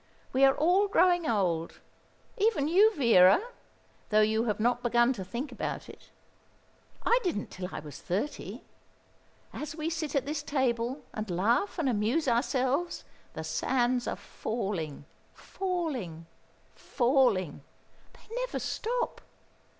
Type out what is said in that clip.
We are all growing old; even you, Vera, though you have not begun to think about it. I didn't till I was thirty. As we sit at this table and laugh and amuse ourselves, the sands are falling, falling, falling they never stop!